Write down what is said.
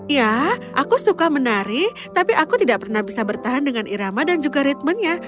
ya aku suka menari tapi aku tidak pernah bisa bertahan dengan irama dan juga ritmennya